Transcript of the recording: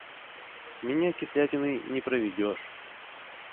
Меня кислятиной не проведешь!